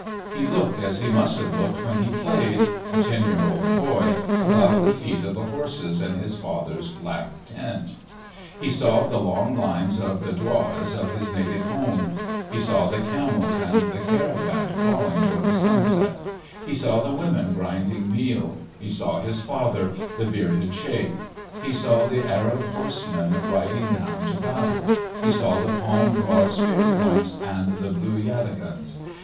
He looked as he must have looked when he played, a ten year old boy, about the feet of the horses in his father's black tent. He saw the long lines of the douars of his native home; he saw the camels, and the caravan crawling toward the sunset; he saw the women grinding meal; he saw his father, the bearded sheik; he saw the Arab horsemen riding down to battle; he saw the palm broad spear points and the blue yataghans.